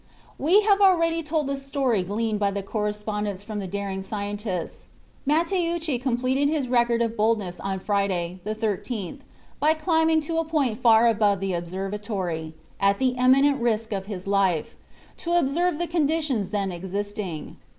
We have already told the story gleaned by the correspondents from the daring scientists. Matteucci completed his record of boldness on Friday, the 13th, by climbing to a point far above the observatory, at the imminent risk of his life, to observe the conditions then existing.